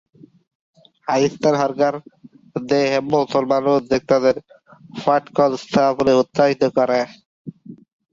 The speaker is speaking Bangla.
পাকিস্তান সরকার দেশে মুসলিম শিল্পোদ্যোক্তাদের পাটকল স্থাপনে উৎসাহিত করে।